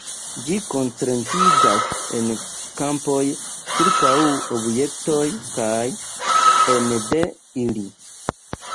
Ĝi koncentriĝas en kampoj ĉirkaŭ objektoj kaj ene de ili.